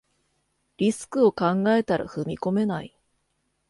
リスクを考えたら踏み込めない